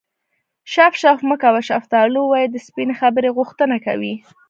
شف شف مه کوه شفتالو ووایه د سپینې خبرې غوښتنه کوي